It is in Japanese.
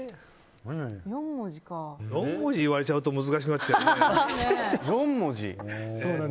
４文字といわれちゃうと難しくなっちゃうな。